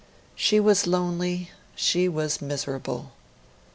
She was lonely, she was miserable.